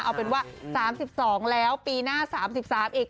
เอาเป็นว่า๓๒แล้วปีหน้า๓๓อีก